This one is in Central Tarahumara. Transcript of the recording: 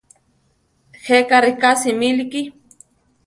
Jéka riká simíliki.